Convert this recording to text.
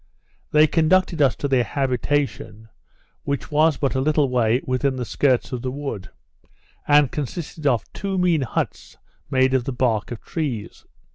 They conducted us to their habitation, which was but a little way within the skirts of the wood, and consisted of two mean huts made of the bark of trees.